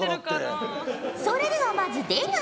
それではまず出川。